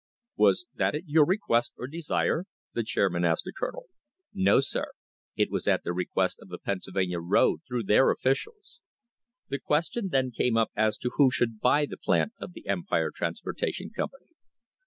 "Was that at your request or desire?" the chairman asked the Colonel. "No, sir. It was at the request of the Pennsylvania road through their officials." The question then came up as to who should buy the plant of the Empire Transportation Company.